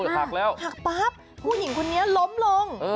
หักแล้วหักปั๊บผู้หญิงคนนี้ล้มลง